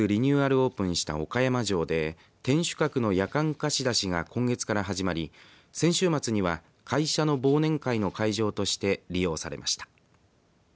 オープンした岡山城で天守閣の夜間貸し出しが今月から始まり先週末には会社の忘年会の会場として利用されました。